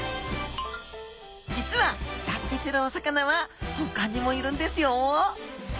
実は脱皮するお魚はほかにもいるんですよ。